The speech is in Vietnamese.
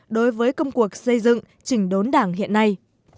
đối với công cuộc xây dựng chỉnh đốn đảng hiện nay